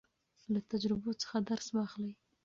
له تجربو څخه درس واخلئ.